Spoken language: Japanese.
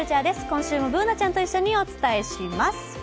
今週もＢｏｏｎａちゃんと一緒にお伝えします。